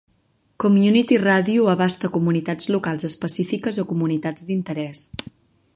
Community Radio abasta comunitats locals específiques o comunitats d'interès.